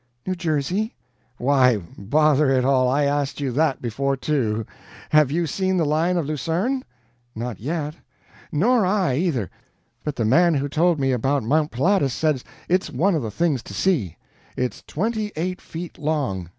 "New Jersey." "Why, bother it all, I asked you THAT before, too. Have you seen the Lion of Lucerne?" "Not yet." "Nor I, either. But the man who told me about Mount Pilatus says it's one of the things to see. It's twenty eight feet long.